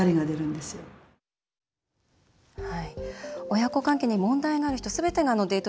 親子関係に問題がある人すべてがデート